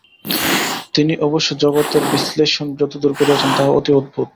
তিনি অবশ্য জগতের বিশ্লেষণ যতদূর করিয়াছেন, তাহা অতি অদ্ভুত।